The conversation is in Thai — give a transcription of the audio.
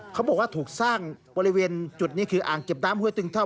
เขาบอกว่าถูกสร้างบริเวณจุดนี้คืออ่างเก็บน้ำห้วยตึงเท่า